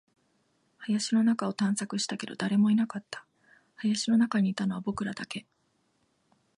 林の中を探索したけど、誰もいなかった。林の中にいたのは僕らだけ。